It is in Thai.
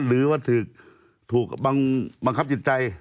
หรือว่าถูกบังคับจิตใจ